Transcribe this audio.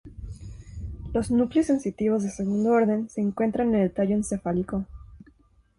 Los núcleos sensitivos de segundo orden se encuentran en el tallo encefálico.